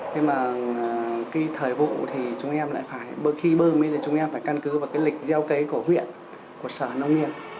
thế mà cái thời vụ thì chúng em lại phải khi bơm thì chúng em phải căn cứ vào cái lịch gieo cấy của huyện của sở nông nghiệp